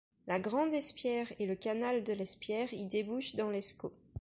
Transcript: La Grande Espierres et le canal de l'Espierres y débouchent dans l'Escaut.